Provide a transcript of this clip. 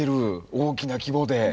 大きな規模で。